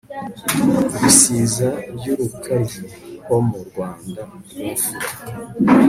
ibisiza byUrukaryi Ho mu Rwanda rwimfura